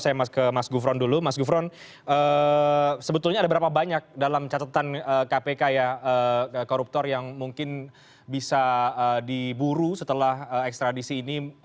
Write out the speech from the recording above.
saya mau ke mas gufron dulu mas gufron sebetulnya ada berapa banyak dalam catatan kpk ya koruptor yang mungkin bisa diburu setelah ekstradisi ini